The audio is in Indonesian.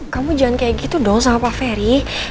kamu jangan kayak gitu dong sama pak ferry